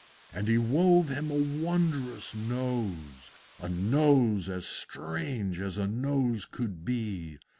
And he wove him a wondrous Nose, A Nose as strange as a Nose could be!